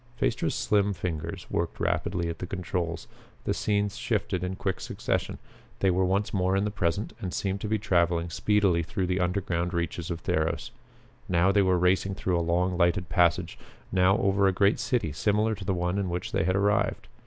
Phaestra's slim fingers worked rapidly at the controls. The scenes shifted in quick succession. They were once more in the present, and seemed to be traveling speedily through the underground reaches of Theros. Now they were racing through a long lighted passage; now over a great city similar to the one in which they had arrived.